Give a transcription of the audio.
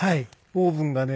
オーブンがね